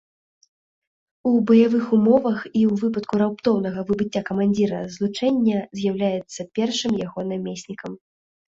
У баявых умовах і ў выпадку раптоўнага выбыцця камандзіра злучэння з'яўляецца першым яго намеснікам.